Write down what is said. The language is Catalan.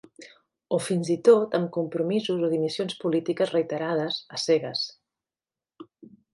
O fins i tot amb compromisos o dimissions polítiques reiterades, a cegues.